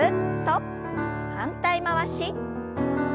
反対回し。